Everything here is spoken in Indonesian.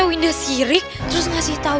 winda sirik terus ngasih tahu